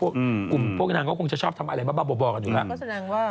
กลุ่มพวกนางก็คงจะชอบทำอะไรบ้าบ่อกันอยู่แล้ว